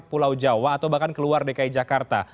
pulau jawa atau bahkan ke luar dki jakarta